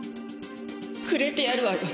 くれてやるわよ